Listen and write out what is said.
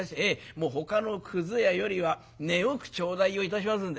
もうほかのくず屋よりは値よく頂戴をいたしますんで。